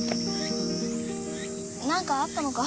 何かあったのか？